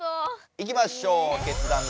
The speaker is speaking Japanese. いきましょう。